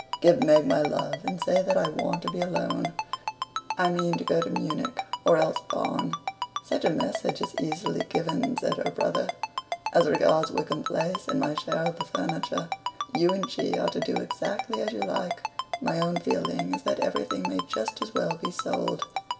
"Give Meg my love and say that I want to be alone. I mean to go to Munich or else Bonn." "Such a message is easily given," said her brother. "As regards Wickham Place and my share of the furniture, you and she are to do exactly as you like. My own feeling is that everything may just as well be sold.